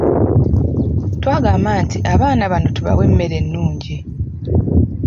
Twagamba nti abaana bano tubawe emmere ennungi.